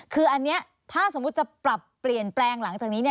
คืออันนี้ถ้าสมมุติจะปรับเปลี่ยนแปลงหลังจากนี้